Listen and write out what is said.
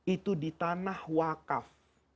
itu di tanah wakaf